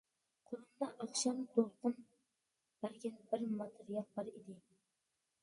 قولۇمدا ئاخشام دولقۇن بەرگەن بىر ماتېرىيال بار ئىدى.